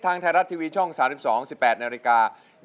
ทางไทยรัฐทีวีช่อง๓๒๑๘นาฬิกา